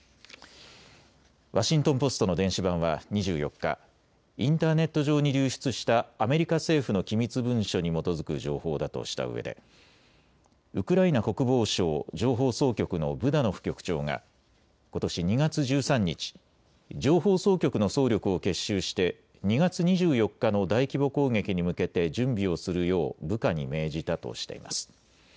ワシントン・ポストの電子版は２４日、インターネット上に流出したアメリカ政府の機密文書に基づく情報だとしたうえでウクライナ国防省情報総局のブダノフ局長がことし２月１３日、情報総局の総力を結集して２月２４日の大規模攻撃に向けて準備をするよう部下に命じたとしています。